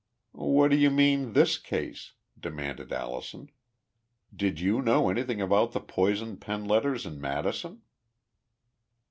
"What do you mean this case?" demanded Allison. "Did you know anything about the poison pen letters in Madison?"